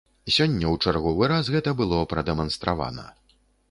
Сёння ў чарговы раз гэта было прадэманстравана.